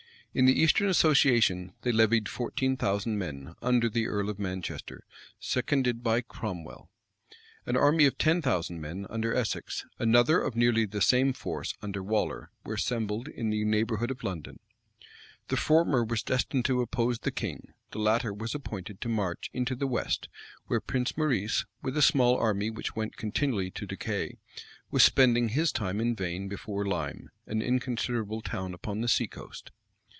In the eastern association they levied fourteen thousand men, under the earl of Manchester, seconded by Cromwell.[*] An army of ten thousand men, under Essex; another of nearly the same force, under Waller, were assembled in the neighborhood of London. The former was destined to oppose the king: the latter was appointed to march into the west, where Prince Maurice, with a small army which went continually to decay, was spending his time in vain before Lyme, an inconsiderable town upon the sea coast.